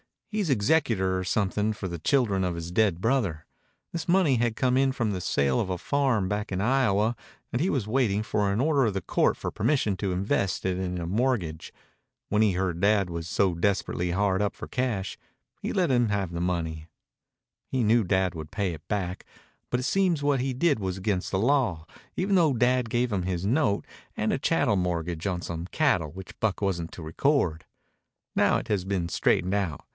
He's executor or something for the children of his dead brother. This money had come in from the sale of a farm back in Iowa and he was waiting for an order of the court for permission to invest it in a mortgage. When he heard Dad was so desperately hard up for cash he let him have the money. He knew Dad would pay it back, but it seems what he did was against the law, even though Dad gave him his note and a chattel mortgage on some cattle which Buck wasn't to record. Now it has been straightened out.